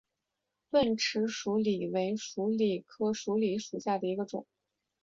钝齿鼠李为鼠李科鼠李属下的一个种。